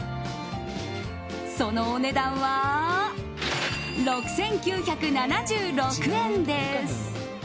そのお値段は、６９７６円です。